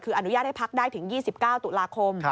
คืออนุญาตให้พักได้ถึง๒๙ตุลาคม